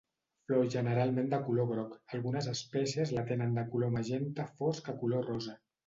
Flor generalment de color groc, algunes espècies la tenen de color magenta fosc a color rosa.